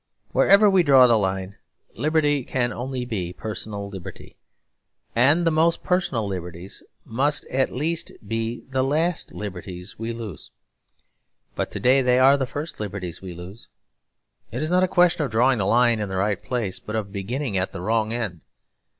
Wherever we draw the line, liberty can only be personal liberty; and the most personal liberties must at least be the last liberties we lose. But to day they are the first liberties we lose. It is not a question of drawing the line in the right place, but of beginning at the wrong end.